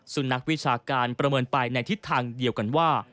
นักวิชาการประเมินไปในทิศทางเดียวกันว่า